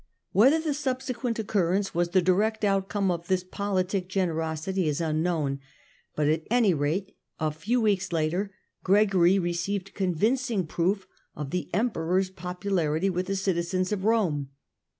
Whether the subsequent occurrence was the direct outcome of this politic generosity is unknown, but at any rate a few weeks later Gregory received convincing proof of the Emperor's popularity with the citizens of Rome.